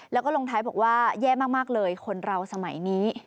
แล้วก็ลงท้ายบอกว่าแย่มากเลยคนเราสมัยนี้